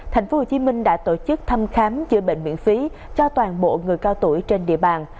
tp hcm đã tổ chức thăm khám chữa bệnh miễn phí cho toàn bộ người cao tuổi trên địa bàn